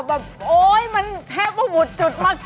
แบบโอ๊ยมันแค่บุตรจุดมะเกิด